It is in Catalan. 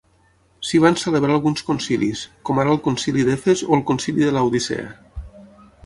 S'hi van celebrar alguns concilis, com ara el Concili d'Efes o el Concili de Laodicea.